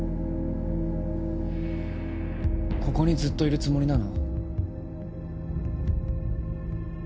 ここにずっといるつもりなの？